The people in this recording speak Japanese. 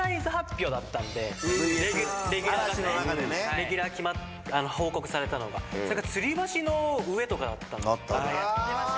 レギュラー報告されたのがそれがつり橋の上とかだった。